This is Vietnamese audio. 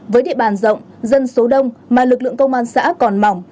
với địa bàn rộng dân số đông mà lực lượng công an xã còn mỏng